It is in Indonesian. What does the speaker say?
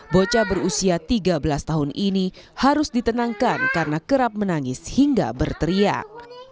bocah berusia tiga belas tahun ini harus ditenangkan karena kerap menangis hingga berteriak